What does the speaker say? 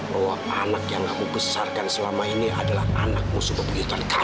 bahwa anak yang kamu besarkan selama ini adalah anak musuh bebuyutan kamu